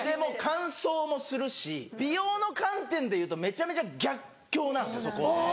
乾燥もするし美容の観点でいうとめちゃめちゃ逆境なんですよそこは。